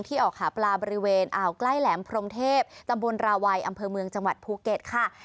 ออกหาปลาบริเวณอ่าวใกล้แหลมพรมเทพตำบลราวัยอำเภอเมืองจังหวัดภูเก็ตค่ะ